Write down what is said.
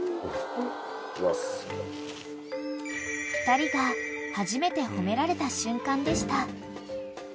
［２人が初めて褒められた瞬間でした］